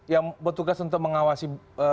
yang bertugas untuk mengawasi